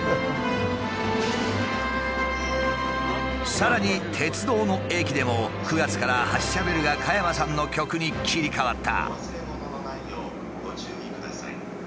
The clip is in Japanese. さらに鉄道の駅でも９月から発車ベルが加山さんの曲に切り替わった。